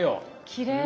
きれい。